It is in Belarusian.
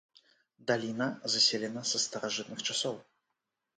Даліна заселена са старажытных часоў.